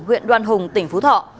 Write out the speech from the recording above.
huyện đoan hùng tỉnh phú thọ